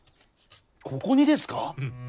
ここにですか！？